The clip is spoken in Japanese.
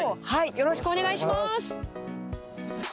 よろしくお願いします。